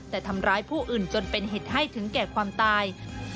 แต่ทำร้ายผู้อื่นจนเป็นเหตุให้ถึงแก่ความตาย